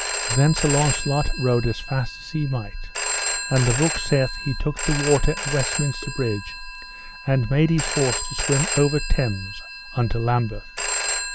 Then Sir Launcelot rode as fast as he might, and the book saith he took the water at Westminster Bridge, and made his horse to swim over Thames unto Lambeth.